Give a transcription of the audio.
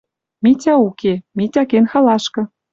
Митя уке. Митя кен халашкы.